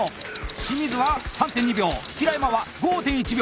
清水は３．２秒平山は５．１秒！